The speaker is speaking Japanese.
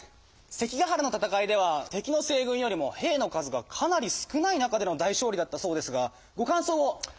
関ヶ原の戦いでは敵の西軍よりも兵の数がかなり少ない中での大勝利だったそうですがご感想を！